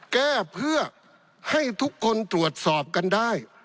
แก้เพื่อให้ทุกคนตรวจสอบกันได้